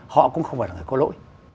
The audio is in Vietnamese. họ cũng không phải là người có lỗi